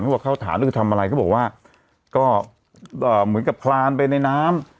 บอกเข้าฐานก็คือทำอะไรเขาบอกว่าก็เหมือนกับคลานไปในน้ำ